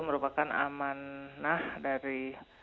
merupakan amanah dari